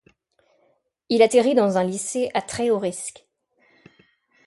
Il atterrit dans un lycée à très haut risques.